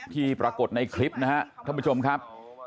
ที่ปรากฏในคลิปนะครับท่านผู้ชมครับ